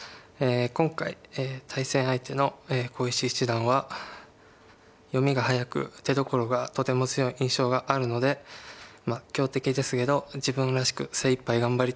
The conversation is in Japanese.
今回対戦相手の小池七段は読みが早く手どころがとても強い印象があるので強敵ですけど自分らしく精いっぱい頑張りたいなと思います。